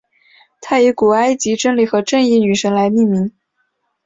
它以古埃及真理和正义女神来命名。